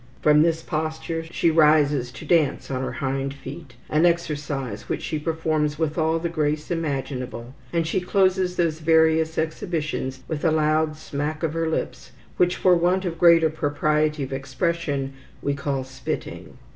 From this posture she rises to dance on her hind feet, an exercise which she performs with all the grace imaginable; and she closes these various exhibitions with a loud smack of her lips, which, for want of greater propriety of expression, we call spitting.